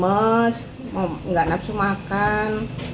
maksudnya dia mau tidur gak nafsu makan